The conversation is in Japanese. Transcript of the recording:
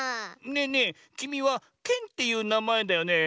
ねえねえきみはケンっていうなまえだよね？